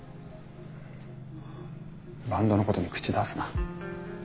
バンドのことに口出すな。